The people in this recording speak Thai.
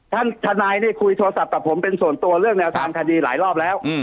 ทนายได้คุยโทรศัพท์กับผมเป็นส่วนตัวเรื่องแนวทางคดีหลายรอบแล้ว